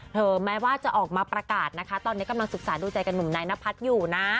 แม้ว่าจะออกมาประกาศนะคะตอนนี้กำลังศึกษาดูใจกับหนุ่มนายนพัฒน์อยู่นะ